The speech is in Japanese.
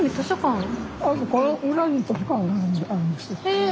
へえ。